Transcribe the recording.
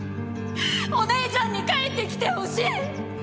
お姉ちゃんに帰ってきてほしい。